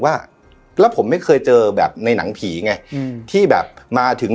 ว่าแล้วผมไม่เคยเจอแบบในหนังผีไงอืมที่แบบมาถึง